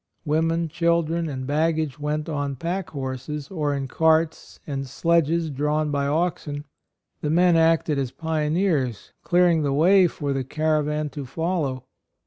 Women, children and bag gage went on pack horses, or in carts and sledges drawn 84 A ROYAL SON by oxen; the men acted as pioneers, clearing the way for the caravan to follow.